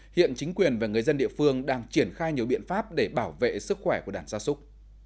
hiện chính quyền và người dân địa phương đang triển khai nhiều biện pháp để bảo vệ sức khỏe của đàn gia súc